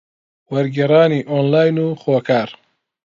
وەرگێڕانی ئۆنلاین و خۆکار